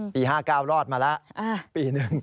ปี๕๙รอดมาแล้วปี๑